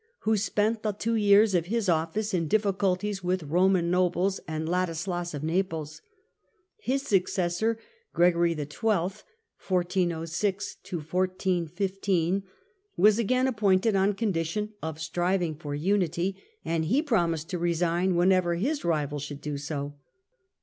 who spent the two years of his office in difficulties with Roman nobles and Ladislas of Naples. His successor, Gregory XII., was again appointed on con dition of striving for unity, and he promised to resign whenever his rival should do so.